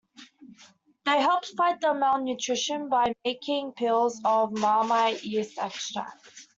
They helped fight the malnutrition by making pills of Marmite yeast extract.